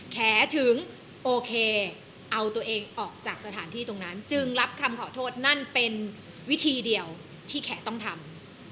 แขถึงโอเคเอาตัวเองออกจากสถานที่ตรงนั้นจึงรับคำขอโทษนั่นเป็นวิธีเดียวที่แขกต้องทำ